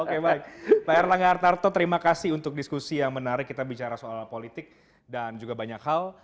oke baik pak erlangga artarto terima kasih untuk diskusi yang menarik kita bicara soal politik dan juga banyak hal